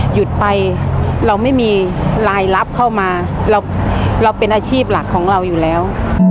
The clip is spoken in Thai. หยุดไปเราไม่มีรายลับเข้ามาเราเป็นอาชีพหลักของเราอยู่แล้ว